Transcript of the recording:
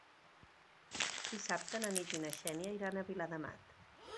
Dissabte na Nit i na Xènia iran a Viladamat.